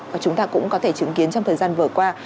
và chúng ta cũng có thể chứng kiến trong thời gian vừa qua